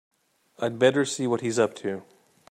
I'd better see what he's up to.